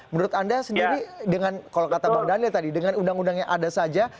menurut anda sendiri dengan kalau kata bang daniel tadi dengan undang undang yang ada saja